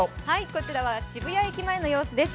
こちらは渋谷駅前の様子です。